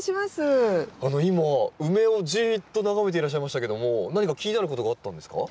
今ウメをじっと眺めていらっしゃいましたけども何か気になることがあったんですか？